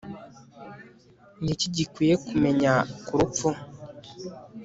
Ni iki gikwiye kumenya ku rupfu